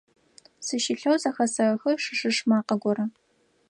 Сыщылъэу зэхэсэхы шы-шыш макъэ горэ.